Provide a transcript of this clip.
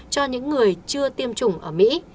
cho những người chưa tiêm chủng ở mỹ